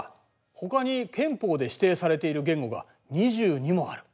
ほかに憲法で指定されている言語が２２もある。